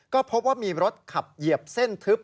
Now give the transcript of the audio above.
ก็พบว่ามีรถขับเหยียบเส้นทึบ